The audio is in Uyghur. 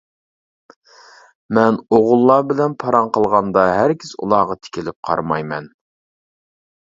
مەن ئوغۇللار بىلەن پاراڭ قىلغاندا ھەرگىز ئۇلارغا تىكىلىپ قارىمايمەن.